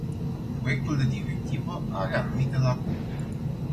Proiectul de directivă are anumite lacune.